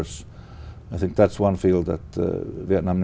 những bức bản về việt nam